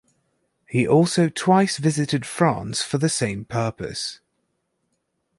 He also twice visited France for the same purpose.